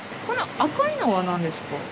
この赤いのはなんですか？